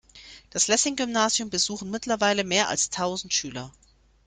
Das Lessing-Gymnasium besuchen mittlerweile mehr als tausend Schüler.